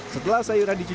setelah sayuran dicampur